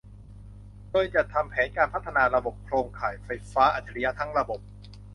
โดยจัดทำแผนการพัฒนาระบบโครงข่ายไฟฟ้าอัจฉริยะทั้งระบบ